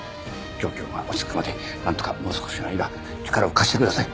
状況が落ち着くまで何とかもう少しの間力を貸してください